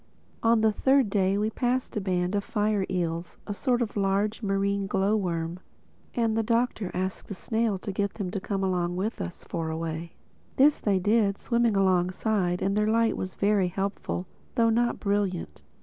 On the third day we passed a band of fire eels, a sort of large, marine glow worm; and the Doctor asked the snail to get them to come with us for a way. This they did, swimming alongside; and their light was very helpful, though not brilliant.